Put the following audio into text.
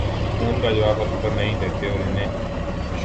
phone کا جواب وقت پر نہیں دیتیں اور انہیں ایشوریا